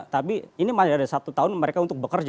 tapi ini masih ada satu tahun mereka untuk bekerja